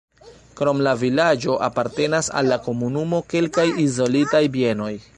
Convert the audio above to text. Krom la vilaĝo apartenas al la komunumo kelkaj izolitaj bienoj.